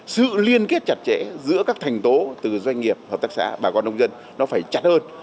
sự liên kết chặt chẽ giữa các thành tố từ doanh nghiệp hợp tác xã bà con nông dân nó phải chặt hơn